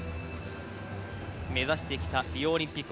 目指してきたリオオリンピック。